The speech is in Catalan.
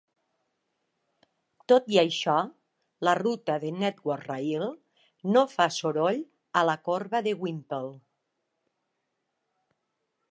Tot i això, la ruta de Network Rail no fa soroll a la corba de Whimple.